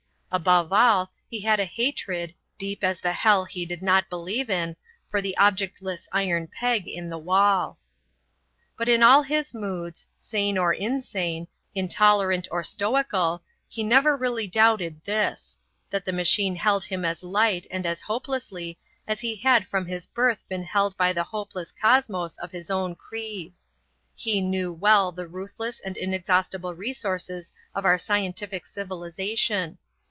Above all, he had a hatred, deep as the hell he did not believe in, for the objectless iron peg in the wall. But in all his moods, sane or insane, intolerant or stoical, he never really doubted this: that the machine held him as light and as hopelessly as he had from his birth been held by the hopeless cosmos of his own creed. He knew well the ruthless and inexhaustible resources of our scientific civilization.